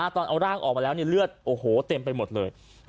ตอนเอาร่างออกมาแล้วเลือดโอ้โหเต็มไปหมดเลย